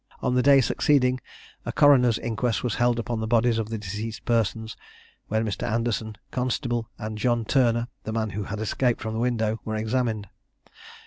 On the day succeeding, a coroner's inquest was held upon the bodies of the deceased persons, when Mr. Anderson, constable, and John Turner, the man who had escaped from the window, were examined.